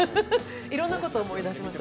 いろんなことを思い出しました。